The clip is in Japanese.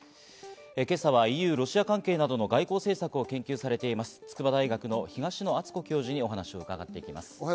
今朝はＥＵ・ロシア関係などの外交政策を研究されている筑波大学・東野篤子教授にお話を伺います。